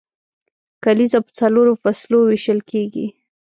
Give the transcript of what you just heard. کلیزه په څلورو فصلو ویشل کیږي.